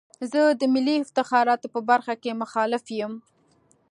زه د ملي افتخاراتو په برخه کې مخالف یم.